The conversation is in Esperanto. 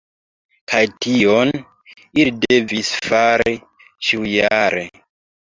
Kaj tion, ili devis fari ĉiujare.